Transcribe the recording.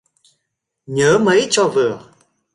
Nhớ mấy cho vừa